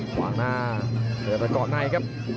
หว่างหน้าเดินไปก่อนในครับ